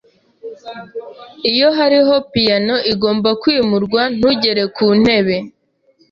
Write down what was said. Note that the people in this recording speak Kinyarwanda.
Iyo hariho piyano igomba kwimurwa, ntugere kuntebe.